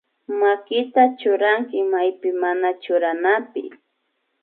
Makita churanki maypi mana churanapi